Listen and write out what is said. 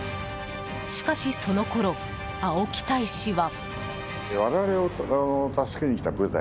しかしそのころ、青木大使は。